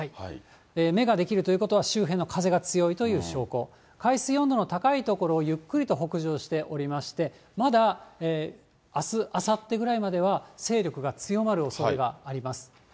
目が出来るということは、周辺の風が強いという証拠、海水温度の高い所をゆっくりと北上しておりまして、まだあす、あさってぐらいまでは、勢力が強まるおそれがあります。